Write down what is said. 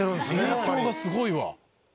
影響がすごいわ。